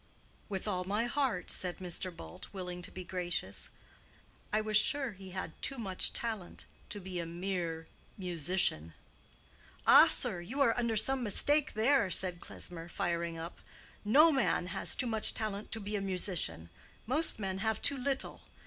"With all my heart," said Mr. Bult, willing to be gracious. "I was sure he had too much talent to be a mere musician." "Ah, sir, you are under some mistake there," said Klesmer, firing up. "No man has too much talent to be a musician. Most men have too little.